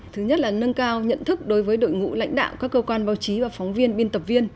thứ nhất là nâng cao nhận thức đối với đội ngũ lãnh đạo các cơ quan báo chí và phóng viên biên tập viên